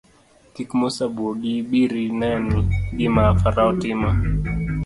Kik Musa buogi ibiri neni gima farao timo.